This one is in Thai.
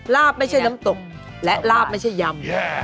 ลาบไม่ใช่น้ำตกและลาบไม่ใช่ยำ